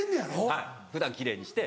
はい普段奇麗にして。